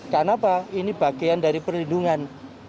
karena apa ini bagian dari perlindungan